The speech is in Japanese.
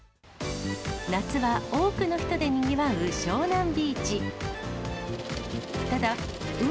夏は多くの人でにぎわう湘南ビーチ。